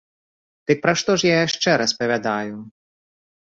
Дык пра што ж я яшчэ распавядаю?